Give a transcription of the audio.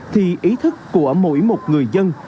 thì ý thức của mỗi một người dân